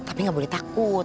tapi gak boleh takut